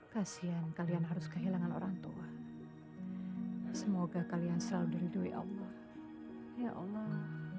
kasian kalian harus kehilangan orang tua semoga kalian selalu diridui allah ya allah